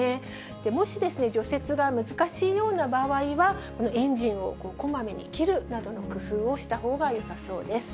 もし除雪が難しいような場合は、エンジンをこまめに切るなどの工夫をしたほうがよさそうです。